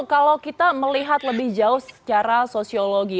kalau kita melihat lebih jauh secara sosiologi